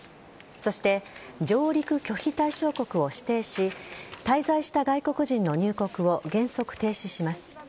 そして上陸拒否対象国を指定し滞在した外国人の入国を原則停止します。